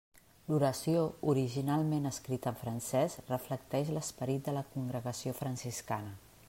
L'oració, originalment escrita en francès, reflecteix l'esperit de la congregació franciscana.